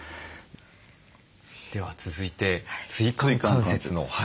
では続いて椎間関節の。